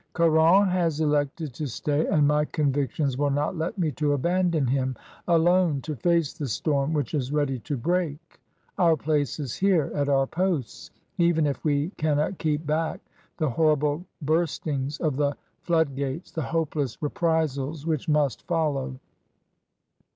Caron has elected to stay, and my convictions will not let me abandon him, alone, to face the storm which is ready to break. Our place is here at our posts, even if we cannot keep back the horrible burstings of the flood gates, the hopeless reprisals, which must follow.''